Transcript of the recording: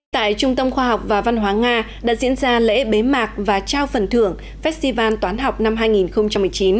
tại trung tâm khoa học và văn hóa nga đã diễn ra lễ bế mạc và trao phần thưởng festival toán học năm hai nghìn một mươi chín